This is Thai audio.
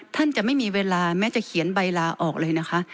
ท่านจะไม่มีเวลาแม้จะเขียนใบลาออกเลยนะคะ